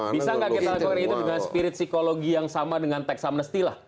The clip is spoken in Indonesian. bisa nggak kita lakukan itu dengan spirit psikologi yang sama dengan tax amnesty lah